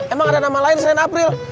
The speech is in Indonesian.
emang ada nama lain selain april